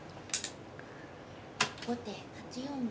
後手８四銀。